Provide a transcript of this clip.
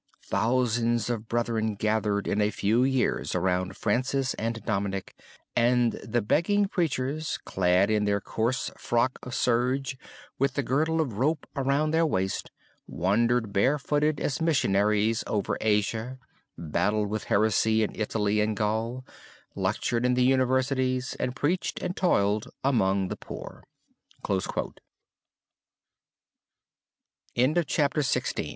Thousands of brethren gathered in a few years around Francis and Dominic, and the begging preachers, clad in their coarse frock of serge, with the girdle of rope around their waist, wandered barefooted as missionaries over Asia, battled with heresy in Italy and Gaul, lectured in the Universities, and preached and toiled among the poor." SIDE CAPITAL (LINCOLN)